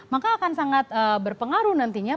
maka akan sangat berpengaruh nantinya